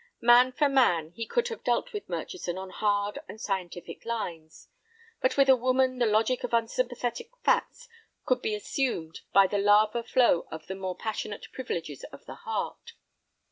Man for man, he could have dealt with Murchison on hard and scientific lines, but with a woman the logic of unsympathetic facts could be consumed by the lava flow of the more passionate privileges of the heart.